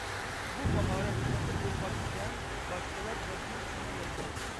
بۇ ماھارەت سەندە بولغان ئىكەن، باشقىلار جەزمەن ساڭا يالۋۇرىدۇ.